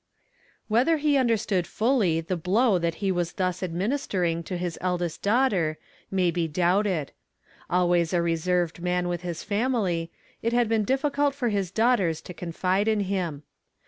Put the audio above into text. Whether he understood fully the blow that he was thus administering to his eldest daughter, may he doubted. Always a reserved man with his family, it had been difficult for his daughters to confide in him.